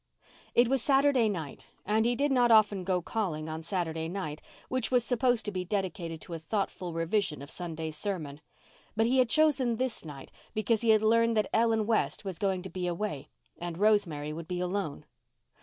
It was Saturday night and he did not often go calling on Saturday night, which was supposed to be dedicated to a thoughtful revision of Sunday's sermon. But he had chosen this night because he had learned that Ellen West was going to be away and Rosemary would be alone.